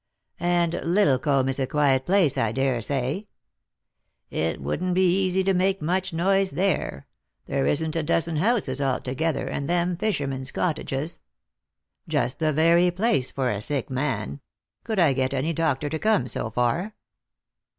" And Liddlecomb is a quiet place, I daresay ?"" It wouldn't be easy to make much noise there ; there isn't a dozen houses altogether, and them fishermen's cottages." " Just the very place for a sick man. Could I get any doctor to come so far?"